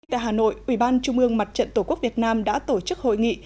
tại hà nội ủy ban trung ương mặt trận tổ quốc việt nam đã tổ chức hội nghị